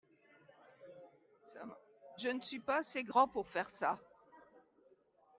je ne suis pas assez grand pour faire ça.